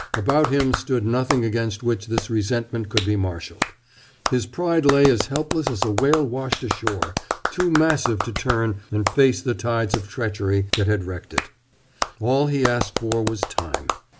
About him stood nothing against which this resentment could be marshaled. His pride lay as helpless as a whale washed ashore, too massive to turn and face the tides of treachery that had wrecked it. All he asked for was time.